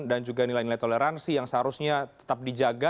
dan juga nilai nilai toleransi yang seharusnya tetap dijaga